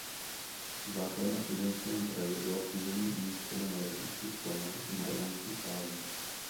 Základna v Plzeňském kraji byla původně umístěna na letišti v Plané u Mariánských Lázní.